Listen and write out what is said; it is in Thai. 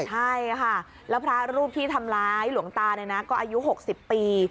ใช่ค่ะแล้วพระรูปที่ทำร้ายหลวงตาเนี่ยนะก็อายุ๖๐ปี